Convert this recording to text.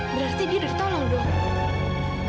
berarti dia udah ditolong dong